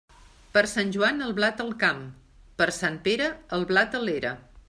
Per Sant Joan, el blat al camp; per Sant Pere, el blat a l'era.